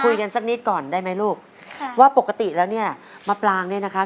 สักนิดก่อนได้ไหมลูกค่ะว่าปกติแล้วเนี่ยมะปรางเนี่ยนะคะ